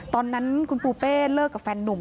ตอนนั้นคุณปูเป้เลิกกับแฟนนุ่ม